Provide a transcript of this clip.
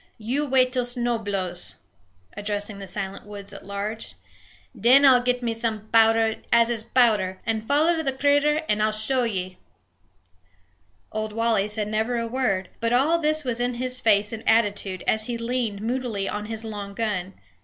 You wait till snow blows," addressing the silent woods at large, "then I'll get me some paowder as is paowder, and foller the critter, and I'll show ye " Old Wally said never a word, but all this was in his face and attitude as he leaned moodily on his long gun.